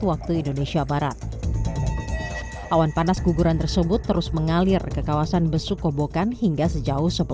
waktu indonesia barat awan panas guguran tersebut terus mengalir ke kawasan besukobokan hingga sejauh